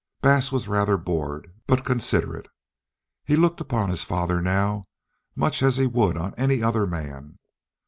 Bass was rather bored, but considerate. He looked upon his father now much as he would on any other man.